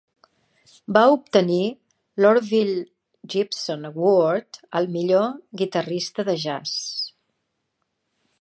Va obtenir l'Orville W. Gibson Award al millor guitarrista de jazz.